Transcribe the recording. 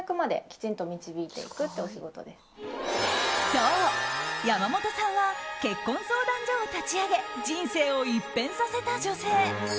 そう、山本さんは結婚相談所を立ち上げ人生を一変させた女性。